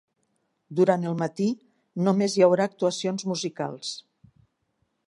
Durant el matí només hi haurà actuacions musicals.